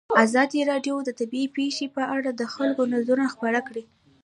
ازادي راډیو د طبیعي پېښې په اړه د خلکو نظرونه خپاره کړي.